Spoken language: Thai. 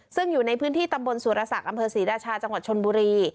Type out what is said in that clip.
ซึ่งอยู่ในพื้นที่ตำบลสุรศักดิ์อำเภอศรีราชาจังหวัดชนบุรี